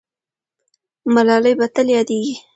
ملالۍ به تل یادېږي.